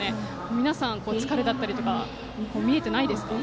皆さん疲れだったりとか見えてないですか？